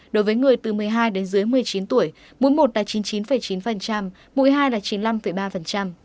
đối với người từ một mươi hai đến dưới một mươi chín tuổi mũi một đạt chín mươi chín chín mũi hai là chín mươi năm ba